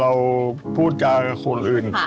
เราพูดจากับคนอื่น